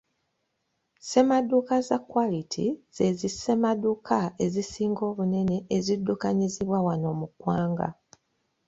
Ssemaduuka za Quality ze zissemaduuka ezisinga obunene eziddukanyizibwa wano mu ggwanga